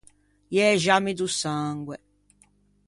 I exammi do sangue.